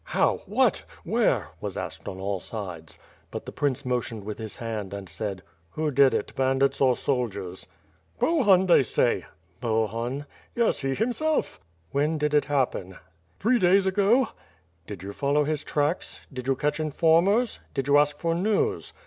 "How? What? Where?" was asked on all sides. But the prince motioned with his hand and asked: "Who did it, bandits or soldiers?" "Bohun, they say." "Bohun?" "Yes, he himself." "When did it happen?" "Three days ago?" "Did you follow his tracks. Did you catch informers? Did you ask for news?